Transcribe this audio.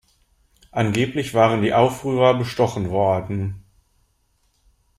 Angeblich waren die Aufrührer bestochen worden.